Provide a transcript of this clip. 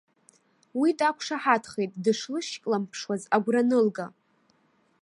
Уи дақәшаҳаҭхеит дышлышькламԥшуаз агәра анылга.